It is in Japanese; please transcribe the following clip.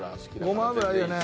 ごま油いいよね。